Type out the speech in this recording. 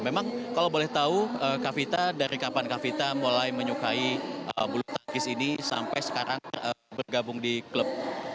memang kalau boleh tau kak vita dari kapan kak vita mulai menyukai bulu tangkis ini sampai sekarang bergabung di klub